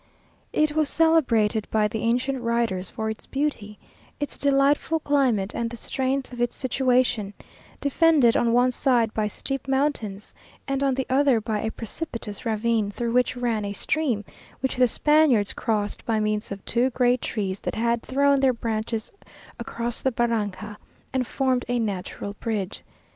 It was celebrated by the ancient writers for its beauty, its delightful climate, and the strength of its situation; defended on one side by steep mountains, and on the other by a precipitous ravine, through which ran a stream which the Spaniards crossed by means of two great trees that had thrown their branches across the barranca, and formed a natural bridge.